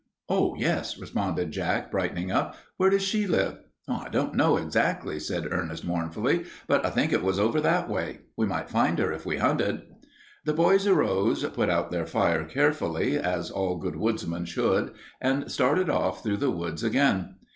"Oh, yes," responded Jack, brightening up. "Where does she live?" "I don't know exactly," said Ernest, mournfully, "but I think it was over that way. We might find her if we hunted." The boys arose, put out their fire carefully, as all good woodsmen should, and started off through the woods again.